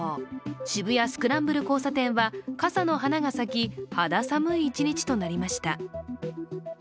渋谷スクランブル交差点は傘の花が咲き、肌寒い一日となりました。